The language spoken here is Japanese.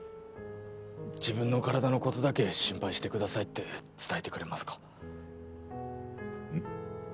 自分の体のことだけ心配してくださいって伝えてくれますかうん